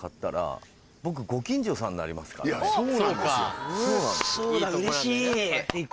そうなんですよ。